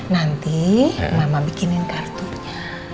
nanti mama bikinin kartunya